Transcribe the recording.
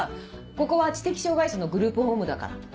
ここは知的障がい者のグループホームだから。